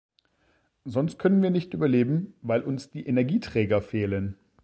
Sonst können wir nicht überleben, weil uns die Energieträger fehlen.